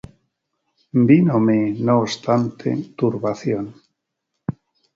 Vínome no obstante turbación.